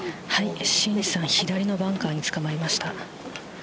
申さん、左のバンカーにつかまりました。